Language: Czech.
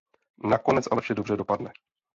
Nakonec ale vše dobře dopadne.